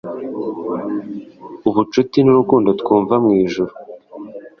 ubucuti nurukundo twumva mwijuru! ..